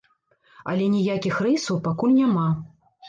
Але ніякіх рэйсаў пакуль няма.